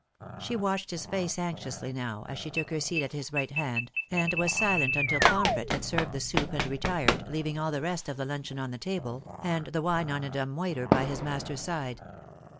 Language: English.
She watched his face anxiously now, as she took her seat at his right hand, and was silent until Pomfret had served the soup and retired, leaving all the rest of the luncheon on the table, and the wine on a dumb waiter by his master's side.